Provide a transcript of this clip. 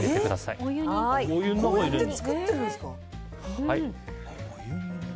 こうやって作ってるんですか。